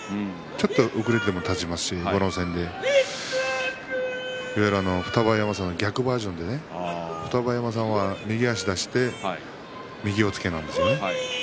ちょっと遅れても立ちますし後の線で二子山さんの逆バージョン二子山さんは右足を出して右押っつけなんですよね。